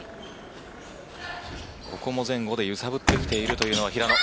ここも前後で揺さぶってきているというのは平野。